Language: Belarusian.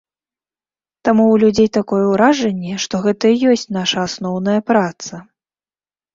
Таму ў людзей такое ўражанне, што гэта і ёсць наша асноўная праца.